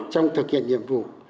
trong thực hiện nhiệm vụ